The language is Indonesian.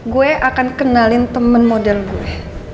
gue akan kenalin temen model gue